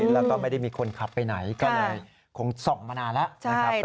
แล้วก็ไม่ได้มีคนขับไปไหนก็เลยคงส่องมานานแล้วนะครับ